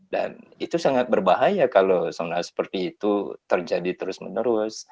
dan itu sangat berbahaya kalau zona seperti itu terjadi terus menerus